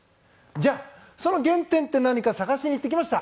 じゃあ、その原点とは何かを探しに行ってきました。